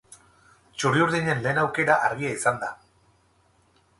Txuri-urdinen lehen aukera argia izan da.